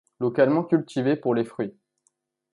Localement cultivé pour les fruits.